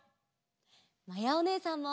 まやおねえさんも。